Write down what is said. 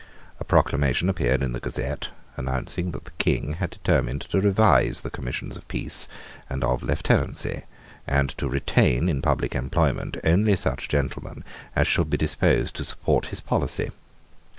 A proclamation appeared in the Gazette, announcing that the King had determined to revise the Commissions of Peace and of Lieutenancy, and to retain in public employment only such gentlemen as should be disposed to support his policy.